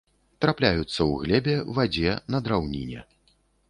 Трапляюцца ў глебе, вадзе, на драўніне.